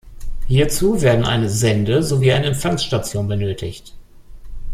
Hierzu werden eine Sende- sowie eine Empfangsstation benötigt.